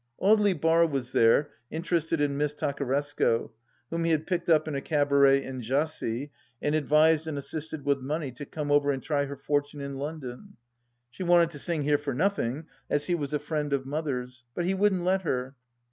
Audely Bar was there, interested in Miss Takaresco, whom he had picked up in a cabaret in Jassy and advised and assisted with money to come over and try her fortune in London. She wanted to sing here for nothing, as he was a friend of Mother's, but he wouldn't let her.